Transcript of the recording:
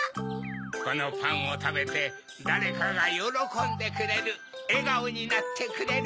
このパンをたべてだれかがよろこんでくれるえがおになってくれる。